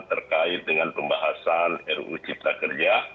terkait dengan pembahasan ruu cipta kerja